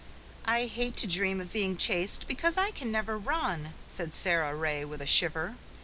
"I hate to dream of being chased because I can never run," said Sara Ray with a shiver.